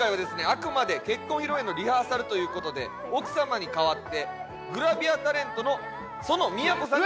あくまで結婚披露宴のリハーサルという事で奥様に代わってグラビアタレントの園都さんに。